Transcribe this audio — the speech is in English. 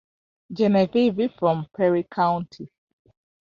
Genevieve from Perry County.